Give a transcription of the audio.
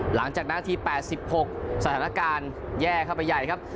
หลังจากนั้นทีแปดสิบหกสถานการณ์แย่เข้าไปใหญ่ครับ